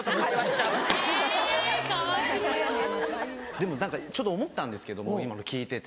でも何か思ったんですけども今の聞いてて。